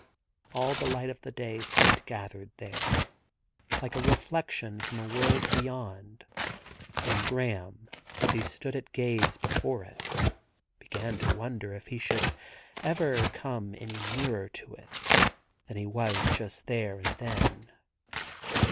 All the light of the day seemed gathered there — like a reflection from a world beyond — and Graham, as he stood at gaze before it, began to wonder if he should ever come any nearer to it than he was just there and then.